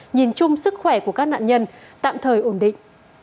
nhìn chung sức khỏe của các nạn nhân tạm thời ổn định